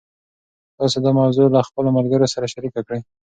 تاسي دا موضوع له خپلو ملګرو سره شریکه کړئ.